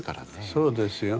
そうですよ。